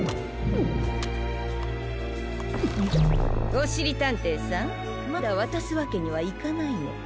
おしりたんていさんまだわたすわけにはいかないの。